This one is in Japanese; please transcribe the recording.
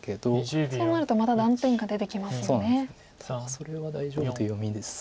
それは大丈夫という読みです。